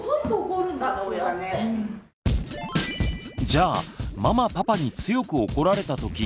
じゃあママ・パパに強く怒られたとき